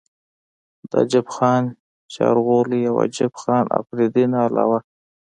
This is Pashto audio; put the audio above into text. د عجب خان چارغولۍ او عجب خان افريدي نه علاوه